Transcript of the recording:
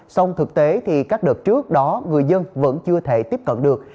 sông thực tế thì các đợt trước đó người dân vẫn chưa thể tiếp cận được